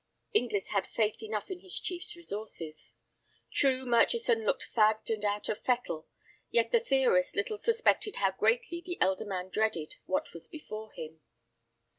Inglis had faith enough in his chief's resources. True, Murchison looked fagged and out of fettle, yet the theorist little suspected how greatly the elder man dreaded what was before him.